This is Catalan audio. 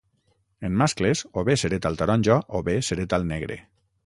En mascles o bé s'hereta el taronja o bé s'hereta el negre.